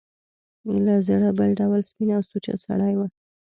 له زړه بل ډول سپین او سوچه سړی و.